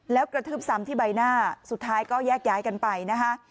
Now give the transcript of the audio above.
แล้วกระทืบซ้ำที่ใบหน้าสุดท้ายก็แยกย้ายกันไปนะคะ